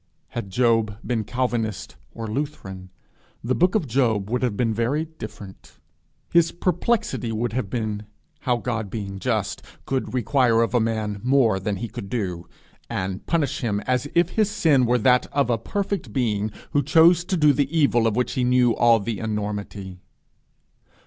Had Job been Calvinist or Lutheran, the book of Job would have been very different. His perplexity would then have been how God being just, could require of a man more than he could do, and punish him as if his sin were that of a perfect being who chose to do the evil of which he knew all the enormity.